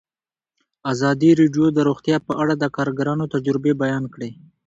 ازادي راډیو د روغتیا په اړه د کارګرانو تجربې بیان کړي.